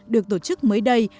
được tổ chức mới đây